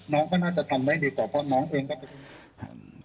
น้องก็น่าจะทำได้ดีกว่าเพราะน้องเองก็เป็นอ่า